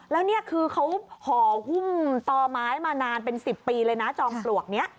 แล้วนี่คือเขาห่อหุ้มต่อไม้มานานเป็น๑๐ปีเลยนะจอมปลวกนี้